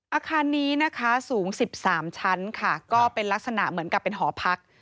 อาคารนี้นะคะสูง๑๓ชั้นค่ะก็เป็นลักษณะเหมือนกับเป็นหอพัก